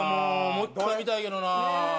もう１回見たいけどな。